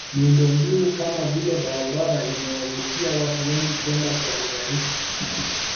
Miundombinu kama vile barabara imewavutia watu wengi kwenda kwa urahisi kutalii